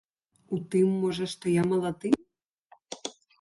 У тым, можа, што я малады?